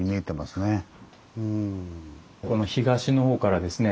この東のほうからですね